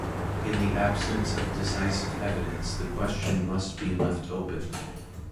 In the absence of decisive evidence the question must be left open.